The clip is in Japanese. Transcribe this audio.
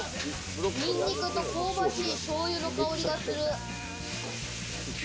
ニンニクと香ばしい、しょうゆの香りがする。